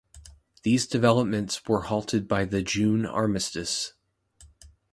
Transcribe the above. These developments were halted by the June armistice.